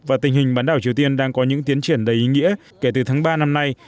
và tình hình bán đảo triều tiên đang có những tiến triển đầy ý nghĩa kể từ tháng ba năm nay